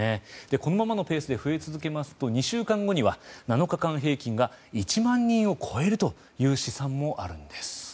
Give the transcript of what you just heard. このままのペースで増え続けますと２週間後には７日間平均が１万人を超えるという試算もあるんです。